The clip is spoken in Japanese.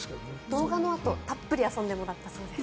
動画のあと、たっぷり遊んでもらったそうです。